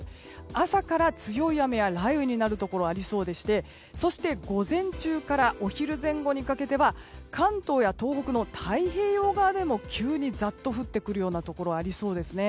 朝から強い雨や雷雨になるところがありそうで午前中からお昼前後にかけては関東や東北の太平洋側でも急にザッと降ってくるようなところがありそうです。